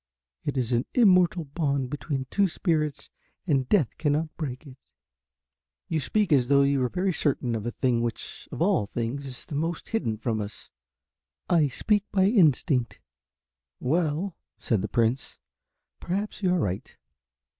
It is an immortal bond between two spirits and death cannot break it." "You speak as though you were very certain of a thing which, of all things, is most hidden from us." "I speak by instinct." "Well," said the Prince, "perhaps you are right.